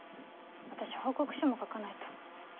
私報告書も書かないと。